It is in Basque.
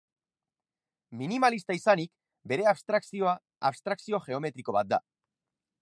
Minimalista izanik, bere abstrakzioa abstrakzio geometriko bat da.